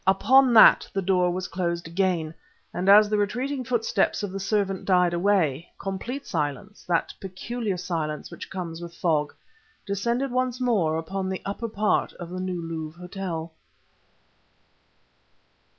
Upon that the door was closed again, and as the retreating footsteps of the servant died away, complete silence that peculiar silence which comes with fog descended once more upon the upper part of the New Louvre Hotel.